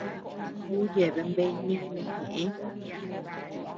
Ú yeaben bea nínu ñeʼë.